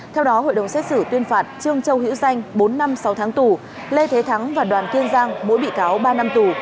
theo đó hội đồng xét xử tuyên phạt trương châu hữu danh bốn năm sáu tháng tù lê thế thắng và đoàn kiên giang mỗi bị cáo ba năm tù